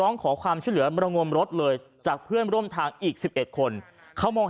ร้องขอความช่วยเหลือมระงมรถเลยจากเพื่อนร่วมทางอีก๑๑คนเขามอง